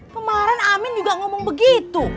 kemarin amin juga ngomong begitu